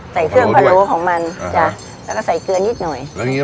ใส่เครื่องพะโล้ของมันจ้ะแล้วก็ใส่เกลือนิดหน่อย